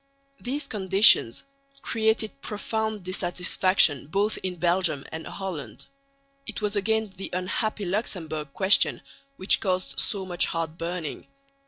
These conditions created profound dissatisfaction both in Belgium and Holland. It was again the unhappy Luxemburg question which caused so much heart burning.